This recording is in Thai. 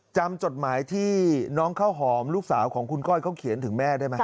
จดหมายที่น้องข้าวหอมลูกสาวของคุณก้อยเขาเขียนถึงแม่ได้ไหม